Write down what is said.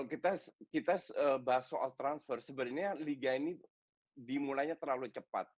ya kalau kita bahas soal transfer sebenarnya liga ini dimulainya terlalu cepat kan